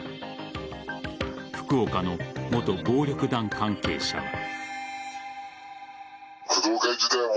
福岡の元暴力団関係者は。